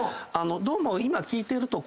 どうも今聞いてると。